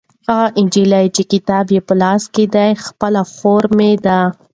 هغه نجلۍ چې کتاب یې په لاس کې دی خپله خور مې ده.